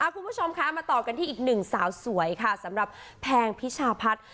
คุณผู้ชมคะมาต่อกันที่อีกหนึ่งสาวสวยค่ะสำหรับแพงพิชาพัฒน์